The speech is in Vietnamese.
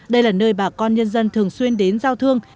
đây là nơi bà con nhân dân thường xuyên đến giao thương